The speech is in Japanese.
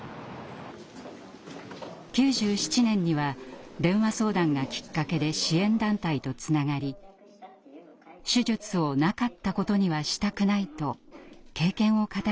９７年には電話相談がきっかけで支援団体とつながり手術をなかったことにはしたくないと経験を語るようになりました。